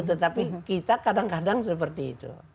tetapi kita kadang kadang seperti itu